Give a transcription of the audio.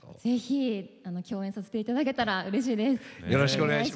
ぜひ共演させていただけたらうれしいです。